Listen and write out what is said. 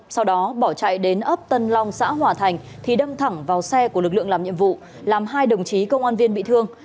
sau đó bỏ chạy đến ấp tân long xã hòa thành thì đâm thẳng vào xe của lực lượng làm nhiệm vụ làm hai đồng chí công an viên bị thương